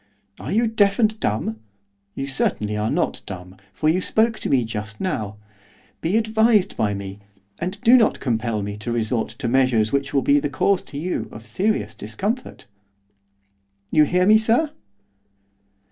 'Are you deaf and dumb? You certainly are not dumb, for you spoke to me just now. Be advised by me, and do not compel me to resort to measures which will be the cause to you of serious discomfort. You hear me, sir?